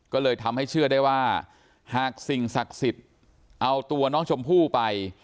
ก็เลยทำให้เชื่อได้ว่าหากสิ่งศักดิ์สิทธิ์เอาตัวน้องชมพู่ไป